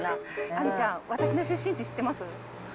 亜美ちゃん、私の出身地知ってます？